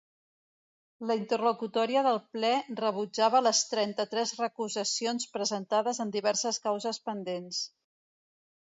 La interlocutòria del ple rebutjava les trenta-tres recusacions presentades en diverses causes pendents.